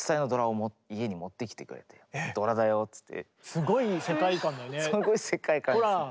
すごい世界観だよね。